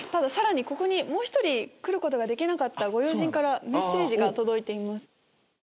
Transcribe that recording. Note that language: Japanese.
ここに来ることができなかったご友人からメッセージが届いています。